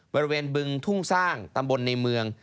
บึงทุ่งสร้างตำบลในเมือง